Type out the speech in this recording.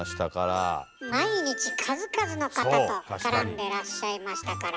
毎日数々の方と絡んでらっしゃいましたから。